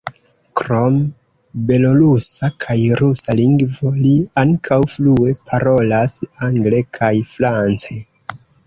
Krom belorusa kaj rusa lingvo, li ankaŭ flue parolas angle kaj france.